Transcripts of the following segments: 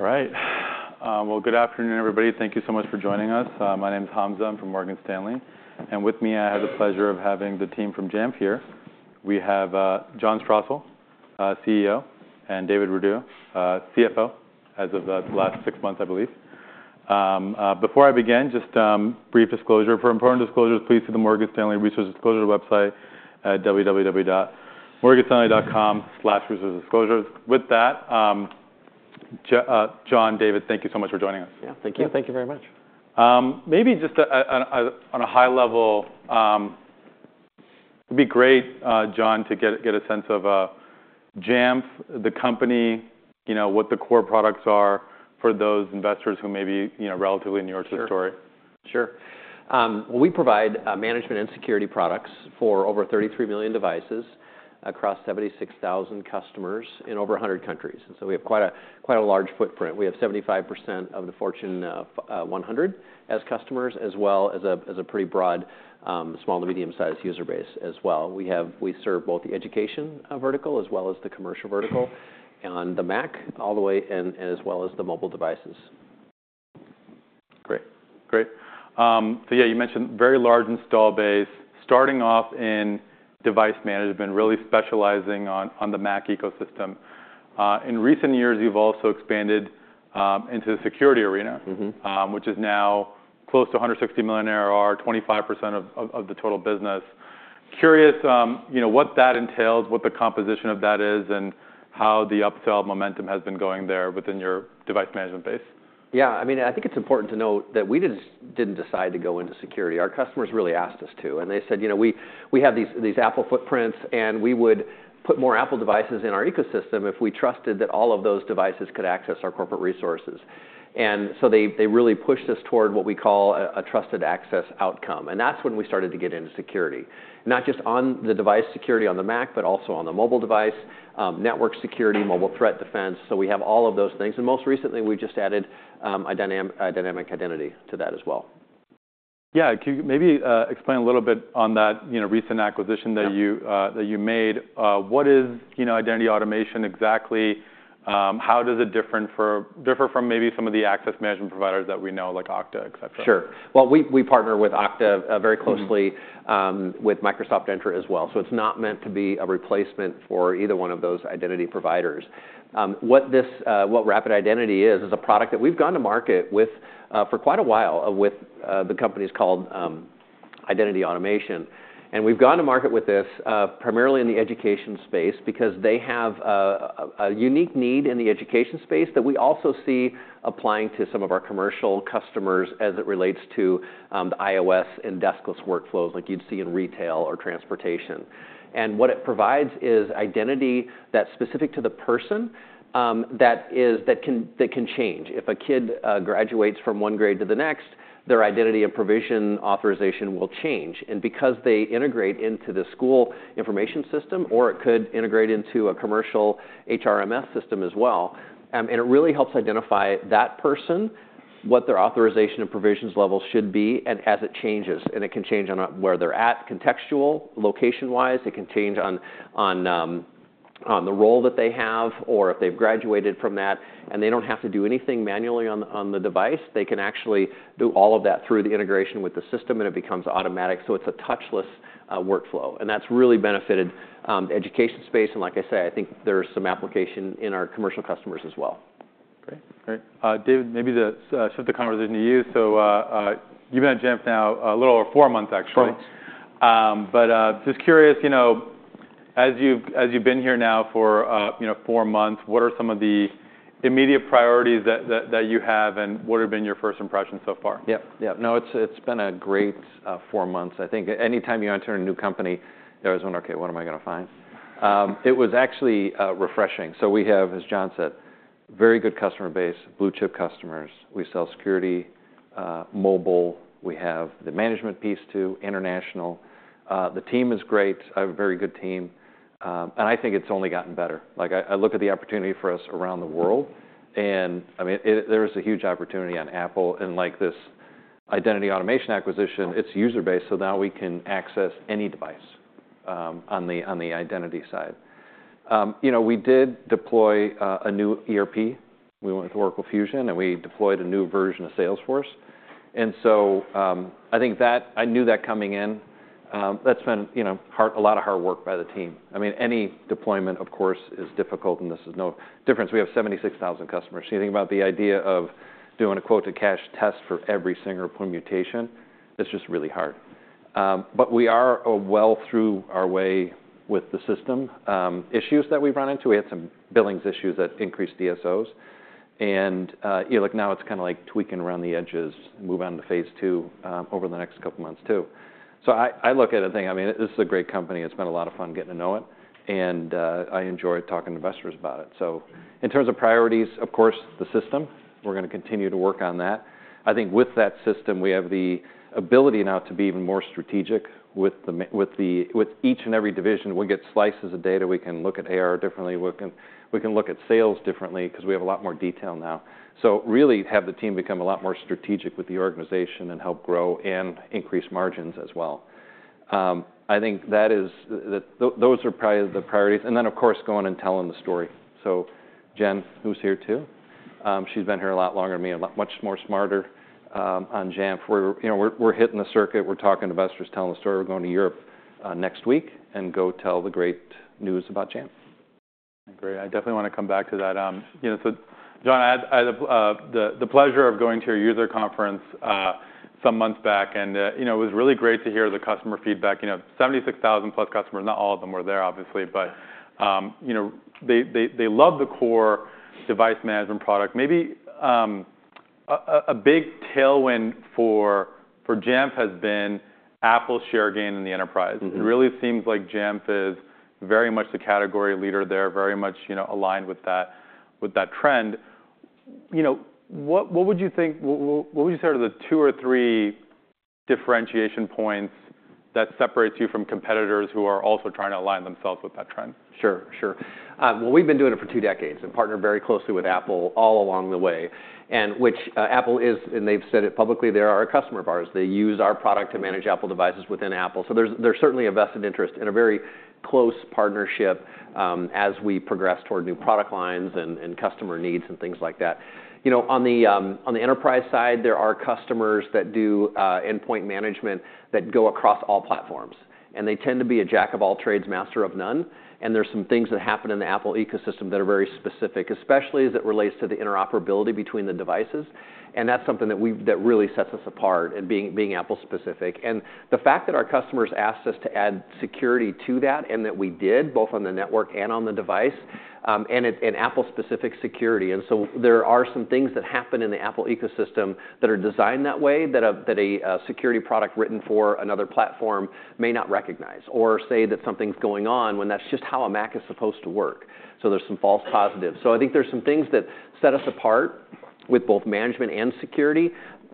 All right. Good afternoon, everybody. Thank you so much for joining us. My name's Hamza from Morgan Stanley. With me, I have the pleasure of having the team from Jamf here. We have John Strosahl, CEO, and David Rudow, CFO, as of the last six months, I believe. Before I begin, just brief disclosure. For important disclosures, please see the Morgan Stanley Resource Disclosure website, www.morganstanley.com/resource-disclosures. With that, John, David, thank you so much for joining us. Yeah, thank you. Thank you very much. Maybe just on a high level, it'd be great, John, to get a sense of Jamf, the company, what the core products are for those investors who may be relatively new to the story. Sure. Sure. We provide management and security products for over 33 million devices across 76,000 customers in over 100 countries. We have quite a large footprint. We have 75% of the Fortune 100 as customers, as well as a pretty broad small to medium-sized user base as well. We serve both the education vertical as well as the commercial vertical, and the Mac, all the way, and as well as the mobile devices. Great. Great. You mentioned very large install base, starting off in device management, really specializing on the Mac ecosystem. In recent years, you've also expanded into the security arena, which is now close to $160 million ARR, 25% of the total business. Curious what that entails, what the composition of that is, and how the upsell momentum has been going there within your device management base. Yeah. I mean, I think it's important to note that we didn't decide to go into security. Our customers really asked us to. They said, we have these Apple footprints, and we would put more Apple devices in our ecosystem if we trusted that all of those devices could access our corporate resources. They really pushed us toward what we call a trusted access outcome. That's when we started to get into security, not just on the device security on the Mac, but also on the mobile device, network security, mobile threat defense. We have all of those things. Most recently, we just added dynamic identity to that as well. Yeah. Can you maybe explain a little bit on that recent acquisition that you made? What is Identity Automation exactly? How does it differ from maybe some of the access management providers that we know, like Okta, et cetera? Sure. We partner with Okta very closely, with Microsoft Entra as well. It is not meant to be a replacement for either one of those identity providers. What Rapid Identity is, is a product that we have gone to market for quite a while with the company called Identity Automation. We have gone to market with this primarily in the education space because they have a unique need in the education space that we also see applying to some of our commercial customers as it relates to the iOS and deskless workflows like you would see in retail or transportation. What it provides is identity that is specific to the person that can change. If a kid graduates from one grade to the next, their identity and provision authorization will change. Because they integrate into the school information system, or it could integrate into a commercial HRMS system as well, it really helps identify that person, what their authorization and provisions level should be, and as it changes. It can change on where they're at, contextual, location-wise. It can change on the role that they have, or if they've graduated from that. They don't have to do anything manually on the device. They can actually do all of that through the integration with the system, and it becomes automatic. It's a touchless workflow. That's really benefited the education space. Like I say, I think there's some application in our commercial customers as well. Great. Great. David, maybe shift the conversation to you. So you've been at Jamf now a little over four months, actually. Sure. Just curious, as you've been here now for four months, what are some of the immediate priorities that you have, and what have been your first impressions so far? Yeah. Yeah. No, it's been a great four months. I think anytime you enter a new company, there is one, OK, what am I going to find? It was actually refreshing. We have, as John said, a very good customer base, blue chip customers. We sell security, mobile. We have the management piece too, international. The team is great. I have a very good team. I think it's only gotten better. I look at the opportunity for us around the world. I mean, there is a huge opportunity on Apple. Like this Identity Automation acquisition, it's user-based. Now we can access any device on the identity side. We did deploy a new ERP. We went with Oracle Fusion, and we deployed a new version of Salesforce. I think that I knew that coming in. That's been a lot of hard work by the team. I mean, any deployment, of course, is difficult. This is no different. We have 76,000 customers. You think about the idea of doing a quote-to-cash test for every single permutation, it's just really hard. We are well through our way with the system issues that we've run into. We had some billings issues that increased DSOs. Now it's kind of like tweaking around the edges, move on to phase two over the next couple of months too. I look at it and think, I mean, this is a great company. It's been a lot of fun getting to know it. I enjoy talking to investors about it. In terms of priorities, of course, the system. We're going to continue to work on that. I think with that system, we have the ability now to be even more strategic with each and every division. We'll get slices of data. We can look at ARR differently. We can look at sales differently because we have a lot more detail now. Really have the team become a lot more strategic with the organization and help grow and increase margins as well. I think those are probably the priorities. Of course, going and telling the story. Jen, who's here too, she's been here a lot longer than me, much more smarter on Jamf. We're hitting the circuit. We're talking to investors, telling the story. We're going to Europe next week and go tell the great news about Jamf. Great. I definitely want to come back to that. John, I had the pleasure of going to your user conference some months back. It was really great to hear the customer feedback. 76,000-plus customers, not all of them were there, obviously. They love the core device management product. Maybe a big tailwind for Jamf has been Apple's share gain in the enterprise. It really seems like Jamf is very much the category leader there, very much aligned with that trend. What would you say are the two or three differentiation points that separate you from competitors who are also trying to align themselves with that trend? Sure. Sure. We've been doing it for two decades and partnered very closely with Apple all along the way, which Apple is, and they've said it publicly, they are a customer of ours. They use our product to manage Apple devices within Apple. There is certainly a vested interest and a very close partnership as we progress toward new product lines and customer needs and things like that. On the enterprise side, there are customers that do endpoint management that go across all platforms. They tend to be a jack of all trades, master of none. There are some things that happen in the Apple ecosystem that are very specific, especially as it relates to the interoperability between the devices. That is something that really sets us apart and being Apple-specific. The fact that our customers asked us to add security to that, and that we did, both on the network and on the device, and it's an Apple-specific security. There are some things that happen in the Apple ecosystem that are designed that way that a security product written for another platform may not recognize, or say that something's going on when that's just how a Mac is supposed to work. There are some false positives. I think there are some things that set us apart with both management and security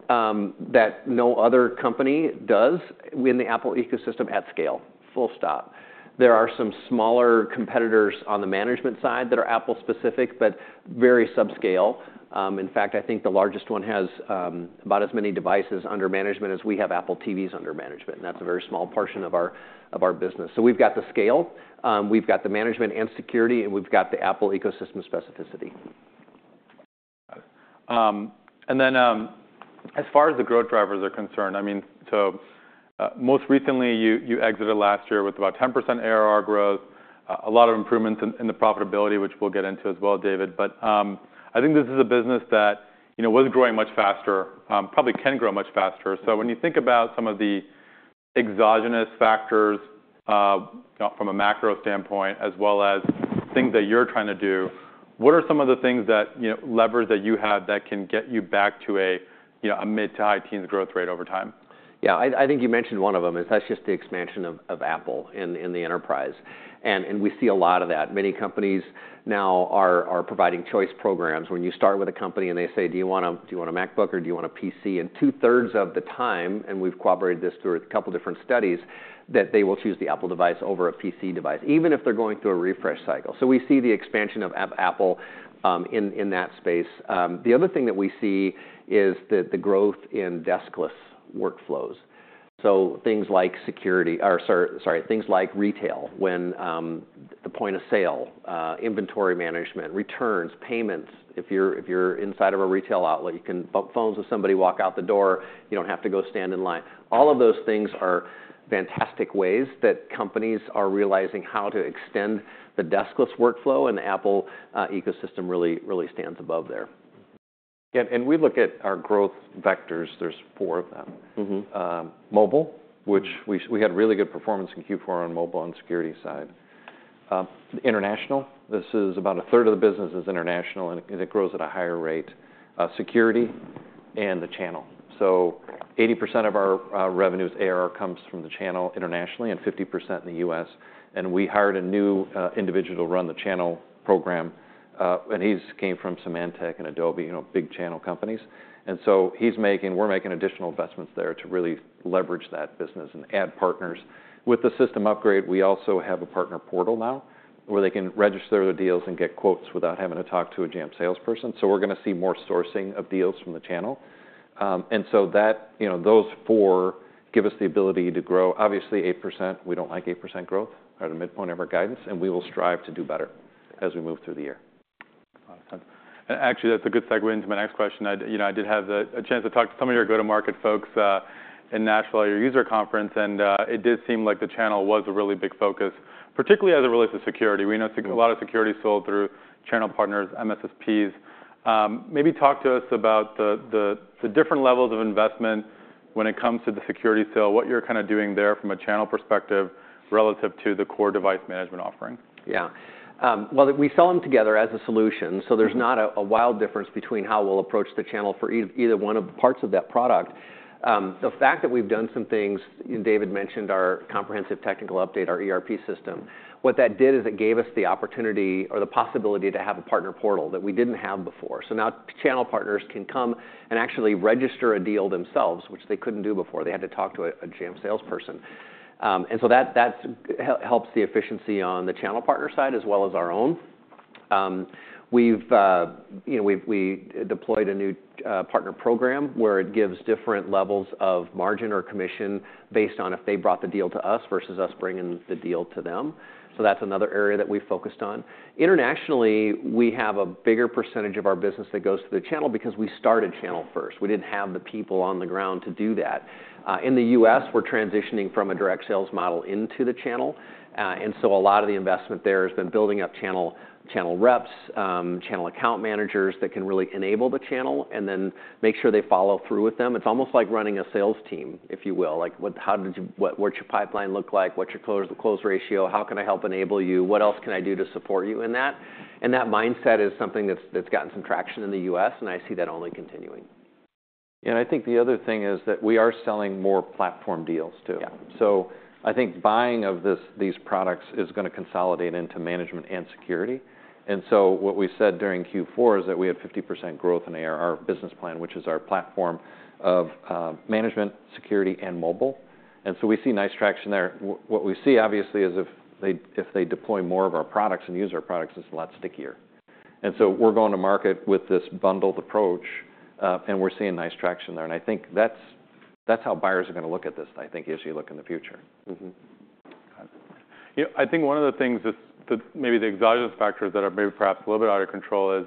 that no other company does in the Apple ecosystem at scale. Full stop. There are some smaller competitors on the management side that are Apple-specific, but very subscale. In fact, I think the largest one has about as many devices under management as we have Apple TVs under management. That's a very small portion of our business. We have the scale. We have the management and security. We have the Apple ecosystem specificity. As far as the growth drivers are concerned, I mean, most recently, you exited last year with about 10% ARR growth, a lot of improvements in the profitability, which we'll get into as well, David. I think this is a business that was growing much faster, probably can grow much faster. When you think about some of the exogenous factors from a macro standpoint, as well as things that you're trying to do, what are some of the levers that you have that can get you back to a mid to high teens growth rate over time? Yeah. I think you mentioned one of them. That's just the expansion of Apple in the enterprise. We see a lot of that. Many companies now are providing choice programs. When you start with a company and they say, do you want a MacBook, or do you want a PC? Two-thirds of the time, and we've corroborated this through a couple of different studies, they will choose the Apple device over a PC device, even if they're going through a refresh cycle. We see the expansion of Apple in that space. The other thing that we see is the growth in deskless workflows. Things like retail, when the point of sale, inventory management, returns, payments. If you're inside of a retail outlet, you can bump phones with somebody, walk out the door. You don't have to go stand in line. All of those things are fantastic ways that companies are realizing how to extend the deskless workflow. The Apple ecosystem really stands above there. We look at our growth vectors. There's four of them. Mobile, which we had really good performance in Q4 on mobile and security side. International, this is about a third of the business is international, and it grows at a higher rate. Security and the channel. 80% of our revenues ARR comes from the channel internationally and 50% in the US. We hired a new individual to run the channel program. He came from Symantec and Adobe, big channel companies. We are making additional investments there to really leverage that business and add partners. With the system upgrade, we also have a partner portal now where they can register their deals and get quotes without having to talk to a Jamf salesperson. We are going to see more sourcing of deals from the channel. Those four give us the ability to grow. Obviously, 8%, we don't like 8% growth. We're at a midpoint of our guidance. We will strive to do better as we move through the year. Actually, that's a good segue into my next question. I did have a chance to talk to some of your go-to-market folks in Nashville at your user conference. It did seem like the channel was a really big focus, particularly as it relates to security. We know a lot of security is sold through channel partners, MSSPs. Maybe talk to us about the different levels of investment when it comes to the security sale, what you're kind of doing there from a channel perspective relative to the core device management offering. Yeah. We sell them together as a solution. There is not a wild difference between how we will approach the channel for either one of the parts of that product. The fact that we have done some things, David mentioned our comprehensive technical update, our ERP system. What that did is it gave us the opportunity or the possibility to have a partner portal that we did not have before. Now channel partners can come and actually register a deal themselves, which they could not do before. They had to talk to a Jamf salesperson. That helps the efficiency on the channel partner side as well as our own. We deployed a new partner program where it gives different levels of margin or commission based on if they brought the deal to us versus us bringing the deal to them. That is another area that we have focused on. Internationally, we have a bigger percentage of our business that goes through the channel because we started channel first. We did not have the people on the ground to do that. In the U.S., we're transitioning from a direct sales model into the channel. A lot of the investment there has been building up channel reps, channel account managers that can really enable the channel and then make sure they follow through with them. It is almost like running a sales team, if you will. What's your pipeline look like? What's your close ratio? How can I help enable you? What else can I do to support you in that? That mindset is something that's gotten some traction in the U.S. I see that only continuing. I think the other thing is that we are selling more platform deals too. I think buying of these products is going to consolidate into management and security. What we said during Q4 is that we had 50% growth in our business plan, which is our platform of management, security, and mobile. We see nice traction there. What we see, obviously, is if they deploy more of our products and use our products, it's a lot stickier. We are going to market with this bundled approach. We are seeing nice traction there. I think that's how buyers are going to look at this, I think, as you look in the future. I think one of the things that maybe the exogenous factors that are maybe perhaps a little bit out of control is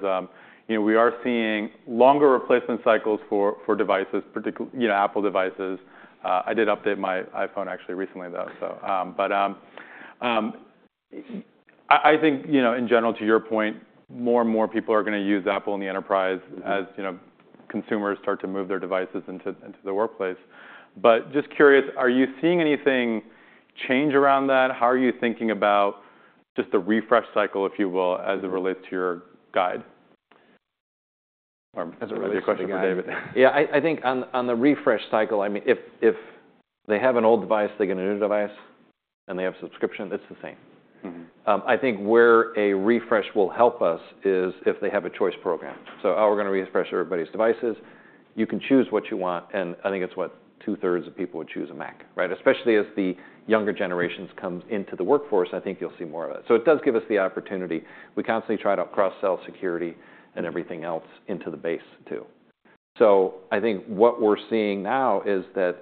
we are seeing longer replacement cycles for devices, particularly Apple devices. I did update my iPhone, actually, recently, though. I think, in general, to your point, more and more people are going to use Apple in the enterprise as consumers start to move their devices into the workplace. Just curious, are you seeing anything change around that? How are you thinking about just the refresh cycle, if you will, as it relates to your guide? Or is it a good question for David? Yeah. I think on the refresh cycle, I mean, if they have an old device, they get a new device, and they have a subscription, it's the same. I think where a refresh will help us is if they have a choice program. We're going to refresh everybody's devices. You can choose what you want. I think it's what, two-thirds of people would choose a Mac, right? Especially as the younger generations come into the workforce, I think you'll see more of it. It does give us the opportunity. We constantly try to cross-sell security and everything else into the base too. I think what we're seeing now is that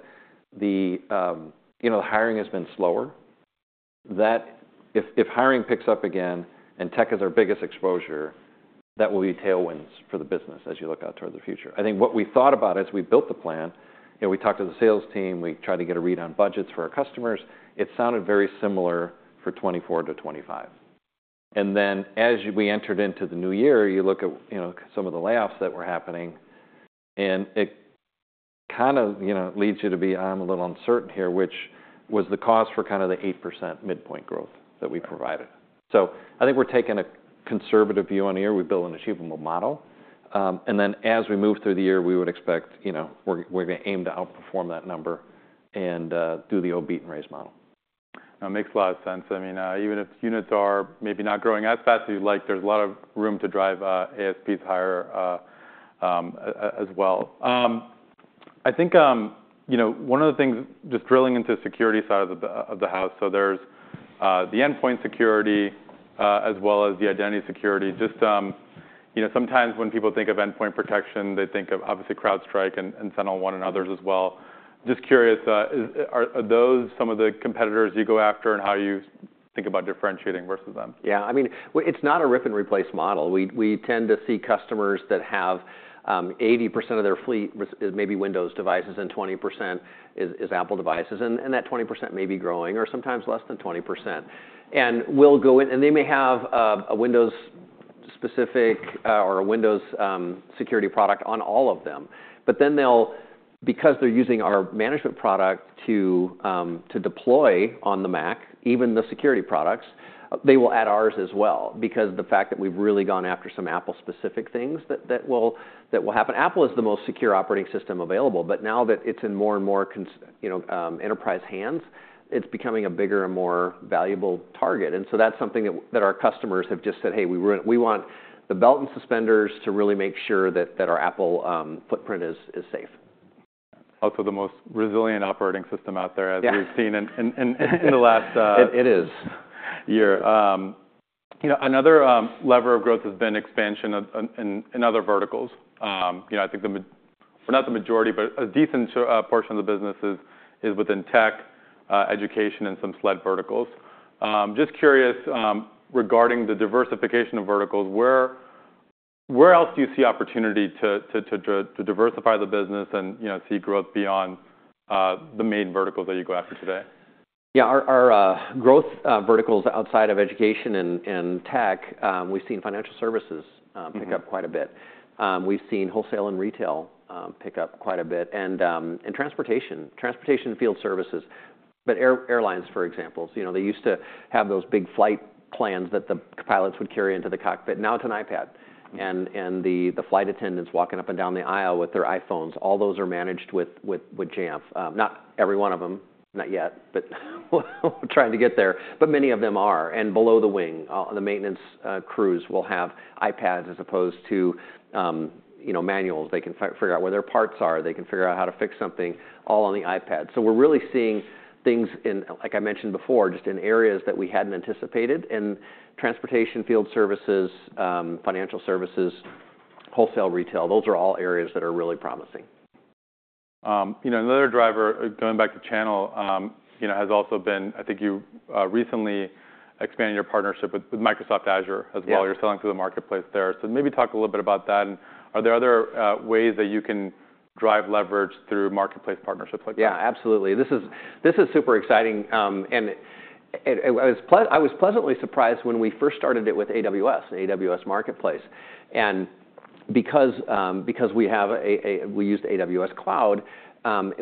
the hiring has been slower. If hiring picks up again and tech is our biggest exposure, that will be tailwinds for the business as you look out toward the future. I think what we thought about as we built the plan, we talked to the sales team. We tried to get a read on budgets for our customers. It sounded very similar for 2024 to 2025. As we entered into the new year, you look at some of the layoffs that were happening. It kind of leads you to be, I'm a little uncertain here, which was the cause for kind of the 8% midpoint growth that we provided. I think we're taking a conservative view on the year. We've built an achievable model. As we move through the year, we would expect we're going to aim to outperform that number and do the old beat-and-raise model. That makes a lot of sense. I mean, even if units are maybe not growing as fast as you'd like, there's a lot of room to drive ASPs higher as well. I think one of the things, just drilling into the security side of the house, so there's the endpoint security as well as the identity security. Just sometimes when people think of endpoint protection, they think of, obviously, CrowdStrike and SentinelOne and others as well. Just curious, are those some of the competitors you go after and how you think about differentiating versus them? Yeah. I mean, it's not a rip-and-replace model. We tend to see customers that have 80% of their fleet is maybe Windows devices, and 20% is Apple devices. That 20% may be growing or sometimes less than 20%. They may have a Windows-specific or a Windows security product on all of them. Then because they're using our management product to deploy on the Mac, even the security products, they will add ours as well because of the fact that we've really gone after some Apple-specific things that will happen. Apple is the most secure operating system available. Now that it's in more and more enterprise hands, it's becoming a bigger and more valuable target. That's something that our customers have just said, hey, we want the belt and suspenders to really make sure that our Apple footprint is safe. Also the most resilient operating system out there as we've seen in the last year. It is. Another lever of growth has been expansion in other verticals. I think not the majority, but a decent portion of the business is within tech, education, and some SLED verticals. Just curious, regarding the diversification of verticals, where else do you see opportunity to diversify the business and see growth beyond the main verticals that you go after today? Yeah. Our growth verticals outside of education and tech, we've seen financial services pick up quite a bit. We've seen wholesale and retail pick up quite a bit. Transportation, transportation field services. Airlines, for example, they used to have those big flight plans that the pilots would carry into the cockpit. Now it's an iPad. The flight attendants walking up and down the aisle with their iPhones, all those are managed with Jamf. Not every one of them, not yet, but we're trying to get there. Many of them are. Below the wing, the maintenance crews will have iPads as opposed to manuals. They can figure out where their parts are. They can figure out how to fix something all on the iPad. We're really seeing things, like I mentioned before, just in areas that we hadn't anticipated. Transportation field services, financial services, wholesale retail, those are all areas that are really promising. Another driver, going back to channel, has also been, I think you recently expanded your partnership with Microsoft Azure as well. You're selling through the marketplace there. Maybe talk a little bit about that. Are there other ways that you can drive leverage through marketplace partnerships like that? Yeah, absolutely. This is super exciting. I was pleasantly surprised when we first started it with AWS, AWS Marketplace. Because we used AWS Cloud,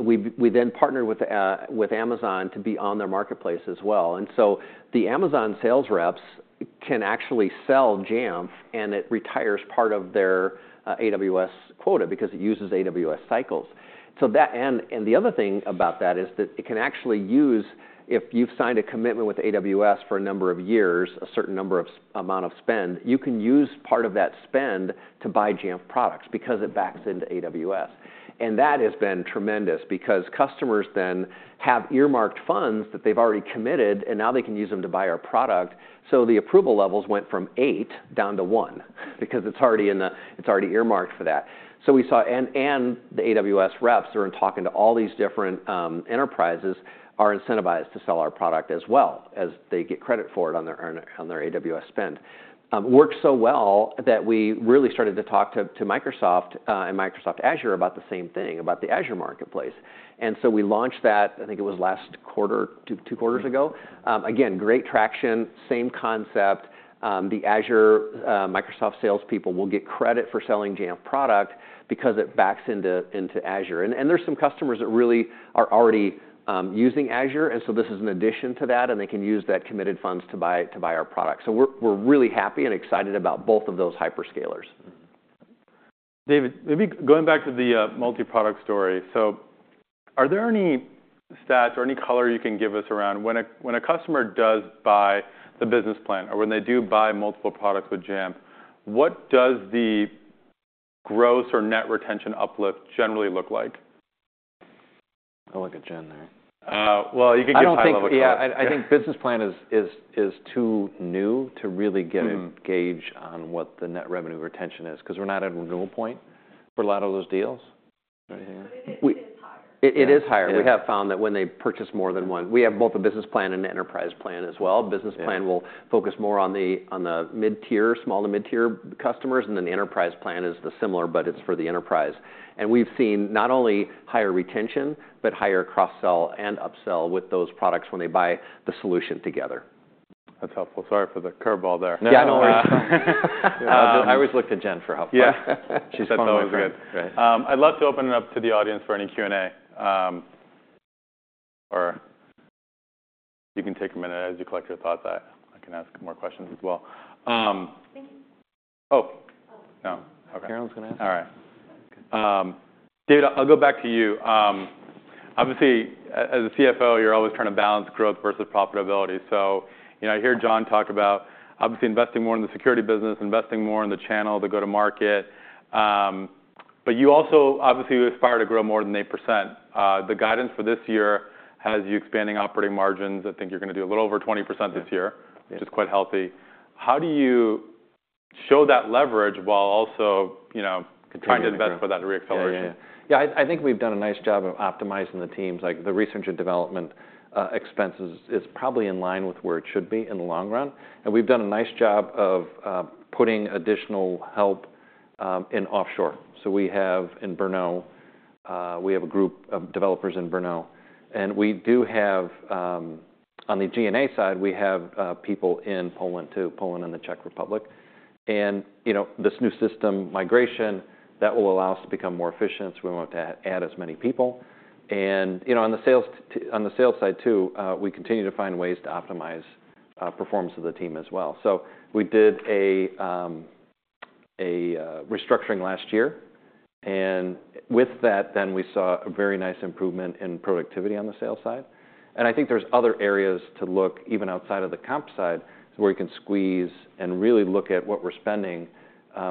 we then partnered with Amazon to be on their marketplace as well. The Amazon sales reps can actually sell Jamf, and it retires part of their AWS quota because it uses AWS cycles. The other thing about that is that it can actually use, if you've signed a commitment with AWS for a number of years, a certain amount of spend, you can use part of that spend to buy Jamf products because it backs into AWS. That has been tremendous because customers then have earmarked funds that they've already committed, and now they can use them to buy our product. The approval levels went from eight down to one because it's already earmarked for that. The AWS reps that are talking to all these different enterprises are incentivized to sell our product as well as they get credit for it on their AWS spend. It works so well that we really started to talk to Microsoft and Microsoft Azure about the same thing, about the Azure marketplace. We launched that, I think it was last quarter, two quarters ago. Again, great traction, same concept. The Azure Microsoft salespeople will get credit for selling Jamf product because it backs into Azure. There are some customers that really are already using Azure. This is an addition to that. They can use that committed funds to buy our product. We are really happy and excited about both of those hyperscalers. David, maybe going back to the multi-product story. Are there any stats or any color you can give us around when a customer does buy the Business Plan or when they do buy multiple products with Jamf, what does the gross or net retention uplift generally look like? I'll look at Jen there. You can give some of the look back. Yeah. I think Business Plan is too new to really get a gauge on what the net revenue retention is because we're not at a renewal point for a lot of those deals. It is higher. It is higher. We have found that when they purchase more than one, we have both a Business Plan and an Enterprise Plan as well. Business Plan will focus more on the mid-tier, small to mid-tier customers. The Enterprise Plan is similar, but it is for the enterprise. We have seen not only higher retention, but higher cross-sell and upsell with those products when they buy the solution together. That's helpful. Sorry for the curveball there. Yeah, I know where you're from. I always look to Jen for help. Yeah. She's always good. I'd love to open it up to the audience for any Q&A. Or you can take a minute as you collect your thoughts. I can ask more questions as well. Oh, no. Carol's going to ask? All right. David, I'll go back to you. Obviously, as a CFO, you're always trying to balance growth versus profitability. I hear John talk about, obviously, investing more in the security business, investing more in the channel, the go-to-market. You also, obviously, aspire to grow more than 8%. The guidance for this year has you expanding operating margins. I think you're going to do a little over 20% this year, which is quite healthy. How do you show that leverage while also trying to invest for that reacceleration? Yeah. I think we've done a nice job of optimizing the teams. The research and development expense is probably in line with where it should be in the long run. We've done a nice job of putting additional help in offshore. In Brno, we have a group of developers in Brno. On the G&A side, we have people in Poland too, Poland and the Czech Republic. This new system migration, that will allow us to become more efficient. We won't have to add as many people. On the sales side too, we continue to find ways to optimize the performance of the team as well. We did a restructuring last year. With that, then we saw a very nice improvement in productivity on the sales side. I think there's other areas to look, even outside of the comp side, where you can squeeze and really look at what we're spending.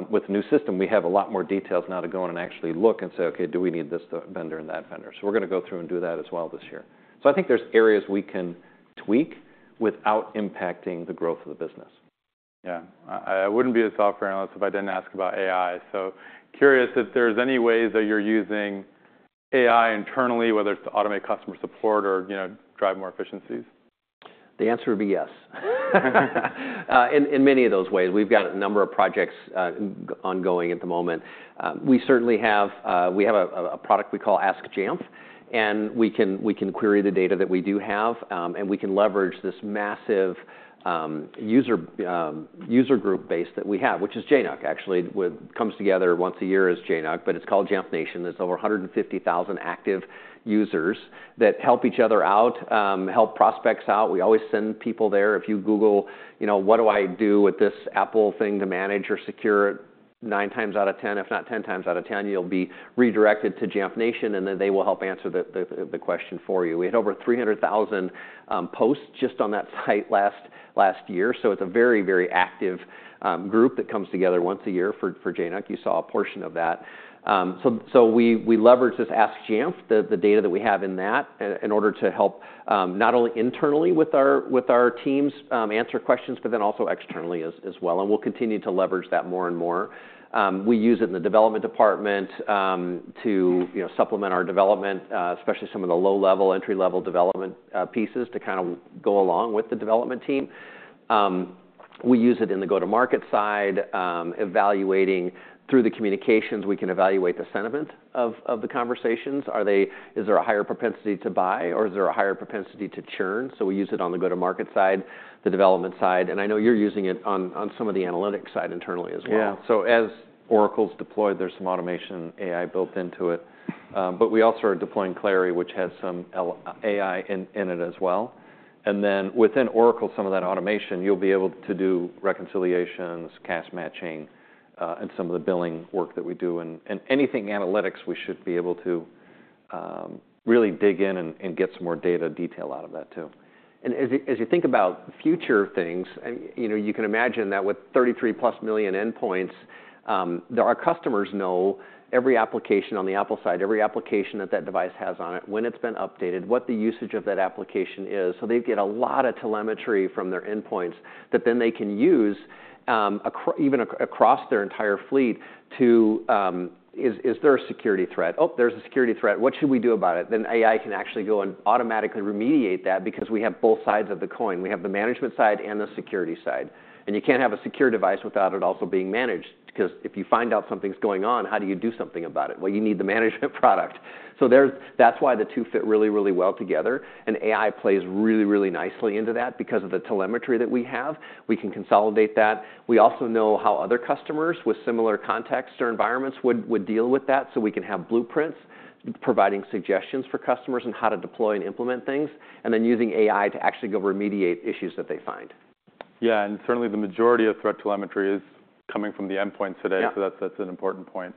With the new system, we have a lot more details now to go in and actually look and say, OK, do we need this vendor and that vendor? We're going to go through and do that as well this year. I think there's areas we can tweak without impacting the growth of the business. Yeah. I wouldn't be a software analyst if I didn't ask about AI. Curious if there's any ways that you're using AI internally, whether it's to automate customer support or drive more efficiencies. The answer would be yes. In many of those ways. We've got a number of projects ongoing at the moment. We have a product we call Ask Jamf. And we can query the data that we do have. And we can leverage this massive user group base that we have, which is JNUC, actually, which comes together once a year as JNUC. But it's called Jamf Nation. There's over 150,000 active users that help each other out, help prospects out. We always send people there. If you Google, what do I do with this Apple thing to manage or secure it, 9 times out of 10, if not 10 times out of 10, you'll be redirected to Jamf Nation. And then they will help answer the question for you. We had over 300,000 posts just on that site last year. It's a very, very active group that comes together once a year for JNUC. You saw a portion of that. We leverage this Ask Jamf, the data that we have in that, in order to help not only internally with our teams answer questions, but then also externally as well. We'll continue to leverage that more and more. We use it in the development department to supplement our development, especially some of the low-level, entry-level development pieces to kind of go along with the development team. We use it in the go-to-market side, evaluating through the communications. We can evaluate the sentiment of the conversations. Is there a higher propensity to buy, or is there a higher propensity to churn? We use it on the go-to-market side, the development side. I know you're using it on some of the analytics side internally as well. As Oracle's deployed, there's some automation AI built into it. We also are deploying Clary, which has some AI in it as well. Within Oracle, some of that automation, you'll be able to do reconciliations, cash matching, and some of the billing work that we do. Anything analytics, we should be able to really dig in and get some more data detail out of that too. As you think about future things, you can imagine that with 33-plus million endpoints, our customers know every application on the Apple side, every application that that device has on it, when it's been updated, what the usage of that application is. They get a lot of telemetry from their endpoints that then they can use even across their entire fleet to, is there a security threat? Oh, there's a security threat. What should we do about it? AI can actually go and automatically remediate that because we have both sides of the coin. We have the management side and the security side. You can't have a secure device without it also being managed because if you find out something's going on, how do you do something about it? You need the management product. That's why the two fit really, really well together. AI plays really, really nicely into that because of the telemetry that we have. We can consolidate that. We also know how other customers with similar contexts or environments would deal with that. We can have Blueprints providing suggestions for customers on how to deploy and implement things, and then using AI to actually go remediate issues that they find. Yeah. Certainly, the majority of threat telemetry is coming from the endpoints today. That is an important point.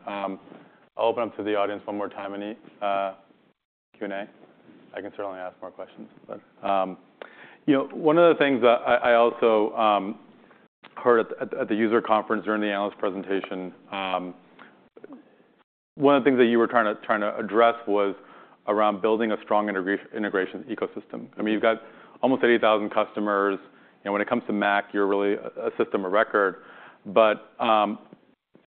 I'll open up to the audience one more time in the Q&A. I can certainly ask more questions. One of the things I also heard at the user conference during the analyst presentation, one of the things that you were trying to address was around building a strong integration ecosystem. I mean, you've got almost 80,000 customers. When it comes to Mac, you're really a system of record.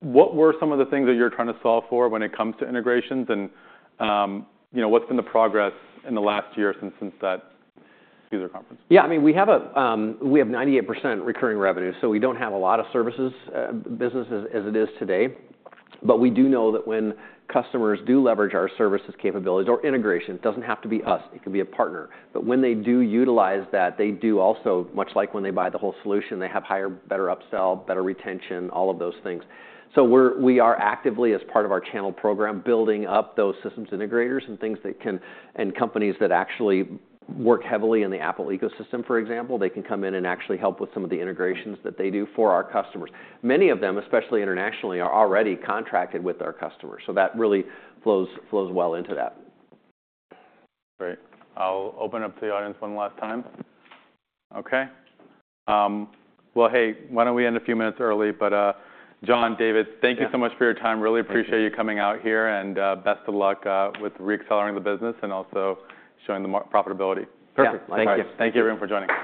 What were some of the things that you're trying to solve for when it comes to integrations? What's been the progress in the last year since that user conference? Yeah. I mean, we have 98% recurring revenue. We do not have a lot of services business as it is today. We do know that when customers do leverage our services capabilities or integrations, it does not have to be us. It can be a partner. When they do utilize that, they do also, much like when they buy the whole solution, have higher, better upsell, better retention, all of those things. We are actively, as part of our channel program, building up those systems integrators and companies that actually work heavily in the Apple ecosystem, for example. They can come in and actually help with some of the integrations that they do for our customers. Many of them, especially internationally, are already contracted with our customers. That really flows well into that. Great. I'll open up to the audience one last time. OK. Why don't we end a few minutes early? John, David, thank you so much for your time. Really appreciate you coming out here. Best of luck with reaccelerating the business and also showing the profitability. Perfect. Thank you. Thank you everyone for joining us.